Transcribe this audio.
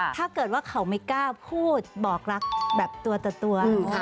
ถ้าเกิดว่าเขาไม่กล้าพูดบอกรักแบบตัวต่อตัว